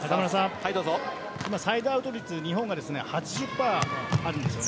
サイドアウト率日本が８０％あるんです。